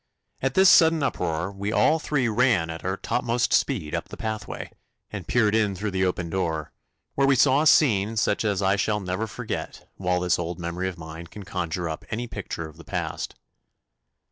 At this sudden uproar we all three ran at our topmost speed up the pathway and peered in through the open door, where we saw a scene such as I shall never forget while this old memory of mine can conjure up any picture of the past.